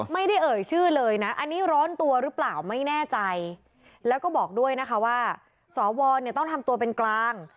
ไม่ได้เอ่ยชื่อเลยนะอันนี้ร้อนตัวหรือเปล่าไม่แน่ใจแล้วก็บอกด้วยนะคะว่าสวเนี่ยต้องทำตัวเป็นกลาง